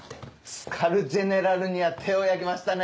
スカルジェネラルには手を焼きましたね。